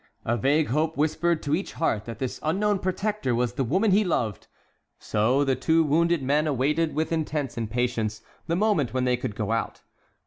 A vague hope whispered to each heart that this unknown protector was the woman he loved. So the two wounded men awaited with intense impatience the moment when they could go out.